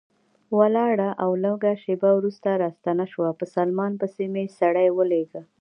ولاړه او لږ شېبه وروسته راستنه شوه، په سلمان پسې مې سړی ولېږه.